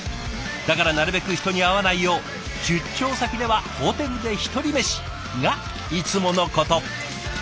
だからなるべく人に会わないよう出張先ではホテルで一人メシがいつものこと。